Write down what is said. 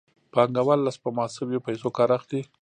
پانګوال له سپما شویو پیسو کار اخلي